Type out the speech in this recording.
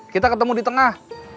kita ketemu di tengah